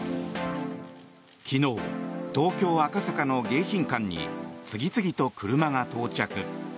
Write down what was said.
昨日、東京・赤坂の迎賓館に次々と車が到着。